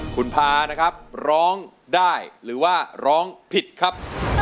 คุณพานะครับร้องได้หรือว่าร้องผิดครับ